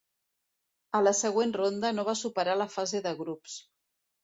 A la següent ronda no va superar la fase de grups.